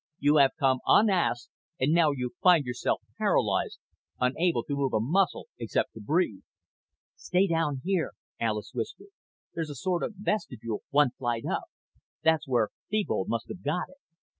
"You have come unasked and now you find yourself paralyzed, unable to move a muscle except to breathe." "Stay down here," Alis whispered. "There's a sort of vestibule one flight up. That's where Thebold must have got it.